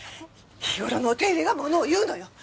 日頃のお手入れがものを言うのよ。